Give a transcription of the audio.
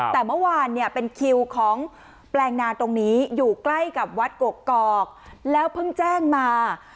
แต่เมื่อวานเนี่ยเป็นคิวของแปลงนาตรงนี้อยู่ใกล้กับวัดกกอกแล้วเพิ่งแจ้งมา